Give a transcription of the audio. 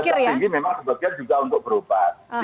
mobilitasnya tinggi memang sebagian juga untuk berubah